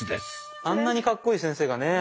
あんなにカッコいい先生がねぇ